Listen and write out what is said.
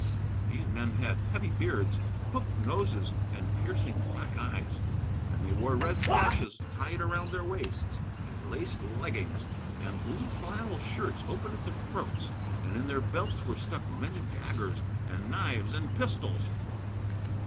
These men had heavy beards, hooked noses, and piercing black eyes; and they wore red sashes tied around their waists; and laced leggings, and blue flannel shirts open at the throats; and in their belts were stuck many daggers and knives and pistols.